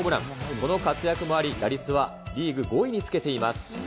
この活躍もあり、打率はリーグ５位につけています。